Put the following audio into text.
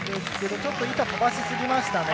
ちょっと板を飛ばし過ぎまし